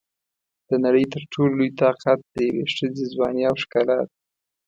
د نړۍ تر ټولو لوی طاقت د یوې ښځې ځواني او ښکلا ده.